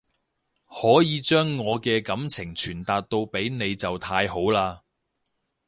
可以將我嘅感情傳達到俾你就太好喇